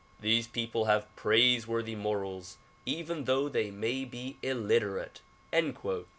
These people have praiseworthy morals even though they may be illiterate."